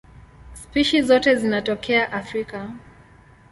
Spishi zote zinatokea Afrika.